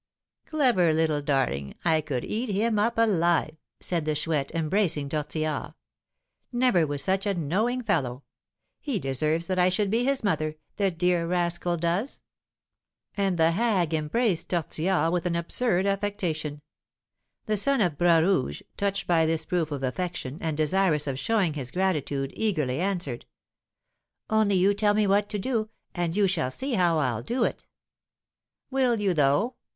"Clever little darling I could eat him up alive!" said the Chouette, embracing Tortillard. "Never was such a knowing fellow. He deserves that I should be his mother, the dear rascal does." And the hag embraced Tortillard with an absurd affectation. The son of Bras Rouge, touched by this proof of affection, and desirous of showing his gratitude, eagerly answered: "Only you tell me what to do, and you shall see how I'll do it." "Will you, though?